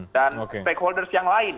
dan stakeholders yang lain